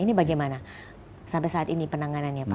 ini bagaimana sampai saat ini penanganannya pak